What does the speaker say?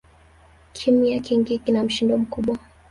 Kimya kingi kina mshindo mkubwa